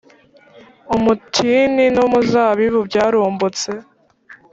umutini n’umuzabibu byarumbutse.